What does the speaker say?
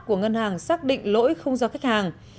của ngân hàng xác định lỗi không do khách hàng